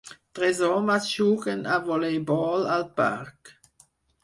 Tres homes juguen a voleibol al parc.